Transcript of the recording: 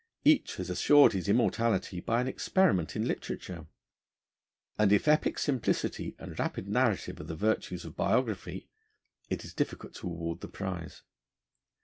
Each has assured his immortality by an experiment in literature; and if epic simplicity and rapid narrative are the virtues of biography, it is difficult to award the prize.